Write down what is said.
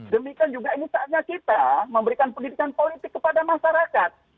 demikian juga ini saatnya kita memberikan pendidikan politik kepada masyarakat